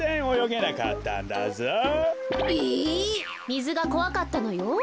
みずがこわかったのよ。